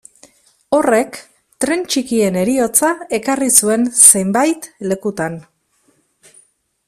Horrek tren txikien heriotza ekarri zuen zenbait lekutan.